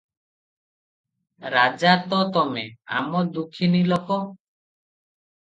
ରଜା ତ ତମେ, ଆମେ ଦୁଃଖିନୀ ଲୋକ